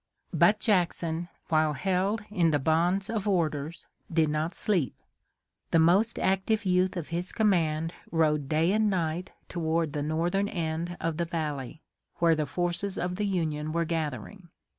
But Jackson, while held in the bonds of orders, did not sleep. The most active youth of his command rode day and night toward the northern end of the valley, where the forces of the Union were gathering.